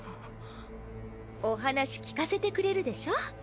お話聞かせてくれるでしょ？